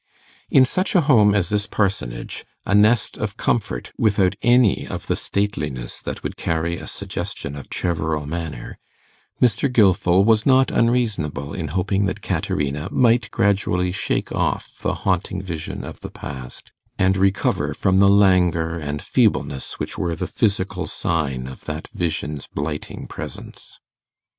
In such a home as this parsonage, a nest of comfort, without any of the stateliness that would carry a suggestion of Cheverel Manor, Mr. Gilfil was not unreasonable in hoping that Caterina might gradually shake off the haunting vision of the past, and recover from the languor and feebleness which were the physical sign of that vision's blighting presence.